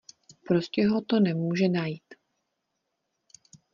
Prostě ho to nemůže najít.